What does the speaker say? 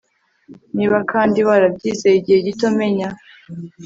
niba kandi warabyizeye igihe gito, menya